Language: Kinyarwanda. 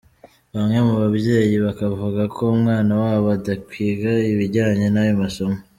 Bamwe mu babyeyi bakavuga ko umwana wabo atakwiga ibijyanye n’ayo masomo.